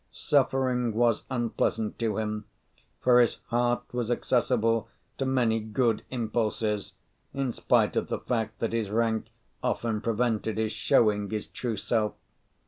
Suffering was unpleasant to him, for his heart was accessible to many good impulses, in spite of the fact that his rank often prevented his showing his true self.